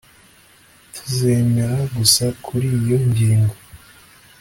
Tuzemera gusa kuri iyo ngingo